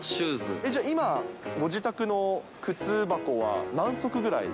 じゃあ、今、ご自宅の靴箱は何足ぐらい？